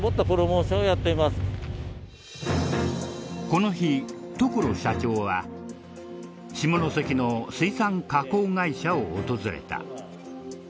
この日所社長は下関の水産加工会社を訪れた。